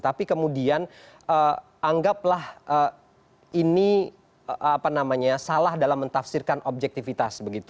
tapi kemudian anggaplah ini salah dalam mentafsirkan objektivitas